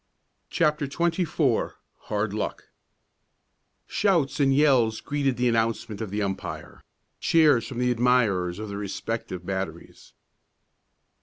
CHAPTER XXIV HARD LUCK Shouts and yells greeted the announcement of the umpire cheers from the admirers of the respective batteries.